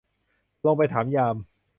ลงไปถามยาม